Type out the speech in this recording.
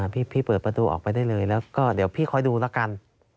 พี่เปิดประตูออกไปได้เลยแล้วก็เดี๋ยวพี่คอยดูแล้วกัน